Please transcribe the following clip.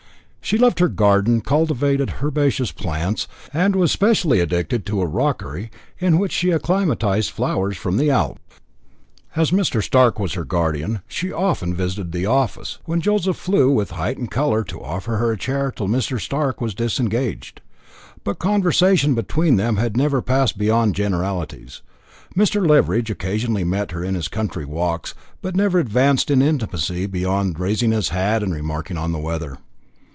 She loved her garden, cultivated herbaceous plants, and was specially addicted to a rockery in which she acclimatised flowers from the Alps. As Mr. Stork was her guardian, she often visited the office, when Joseph flew, with heightened colour, to offer her a chair till Mr. Stork was disengaged. But conversation between them had never passed beyond generalities. Mr. Leveridge occasionally met her in his country walks, but never advanced in intimacy beyond raising his hat and remarking on the weather.